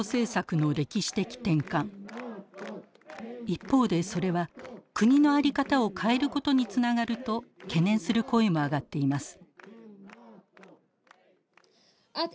一方でそれは国のあり方を変えることにつながると懸念する声も上がっています。